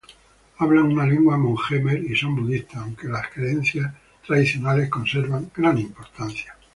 Hablan una lengua mon-jemer y son budistas, aunque las creencias tradicionales conservan gran importancia.